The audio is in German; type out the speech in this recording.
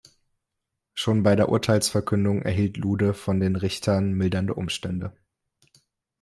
Schon bei der Urteilsverkündung erhielt Lude von den Richtern mildernde Umstände.